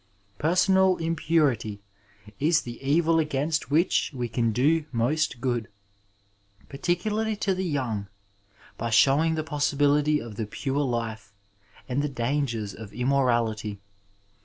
Personal impurity is the evil against which we can do most good, particularly to the young, by showing the possibility of the pure life and the dangers of immorality.